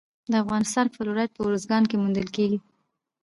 د افغانستان فلورایټ په ارزګان کې موندل کیږي.